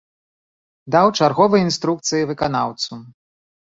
Даў чарговыя інструкцыі выканаўцу.